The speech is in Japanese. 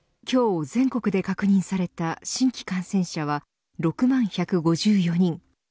今日全国で確認された新規感染者は６万１５４人。